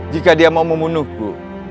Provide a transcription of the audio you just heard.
jika dia mau membunuhku